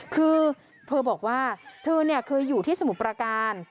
คือเธอบอกว่าเธอเนี่ยเคยอยู่ที่สมุปราการ